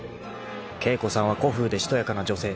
［景子さんは古風でしとやかな女性］